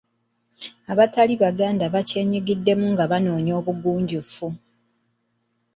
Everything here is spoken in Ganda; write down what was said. Abatali Baganda bakyenyigiddemu nga banoonya obugunjufu.